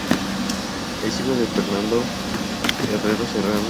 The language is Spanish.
Es hijo de Fernando Herrero Serrano y Flor Isabel Acosta Sánchez.